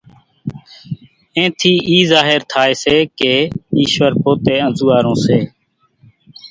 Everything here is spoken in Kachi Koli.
اين ٿي اِي ظاھر ٿائي سي ڪي ايشور پوتي انزوئارون سي،